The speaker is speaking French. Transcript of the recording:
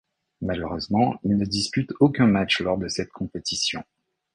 Malheureusement il ne dispute aucun match lors de cette compétition.